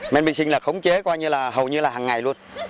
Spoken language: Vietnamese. men vi sinh là khống chế coi như là hầu như là hằng ngày luôn